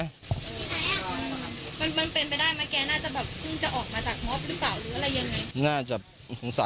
มันเป็นไปได้ไหมแกน่าจะแบบพึ่งจะออกมาจากมอบหรือเปล่า